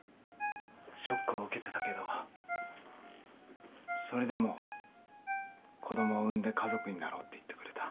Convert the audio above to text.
ショックを受けてたけどそれでも子供を産んで家族になろうって言ってくれた